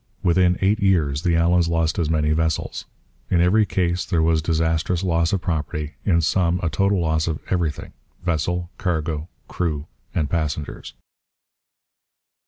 Within eight years the Allans lost as many vessels. In every case there was disastrous loss of property; in some, a total loss of everything vessel, cargo, crew, and passengers.